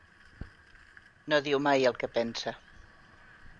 No diu mai el que pensa.